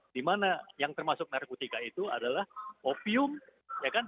dimana yang termasuk narkotika itu adalah opium ya kan